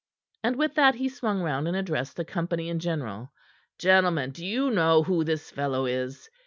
And with that he swung round and addressed the company in general. "Gentlemen, do you know who this fellow is?